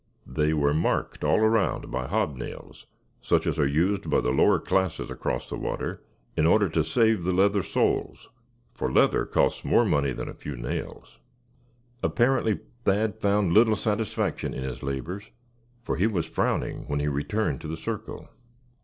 They were marked all around by hobnails such as are used by the lower classes across the water, in order to save the leather soles, for leather costs more money than a few nails. Apparently Thad found little satisfaction in his labors, for he was frowning when he returned to the circle.